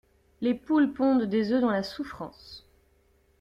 Les poules pondent des oeufs dans la souffrance.